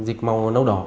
dịch màu nấu đỏ